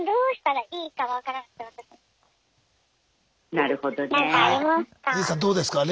なるほどね。